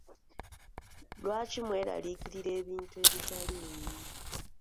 Lwaki mweraliikirira ebintu ebitaliimu.